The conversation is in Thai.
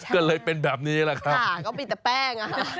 ก็เลยเป็นแบบนี้แหละครับพี่ชนะใช่เขามีแต่แป้ง